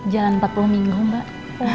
jalan empat puluh minggu mbak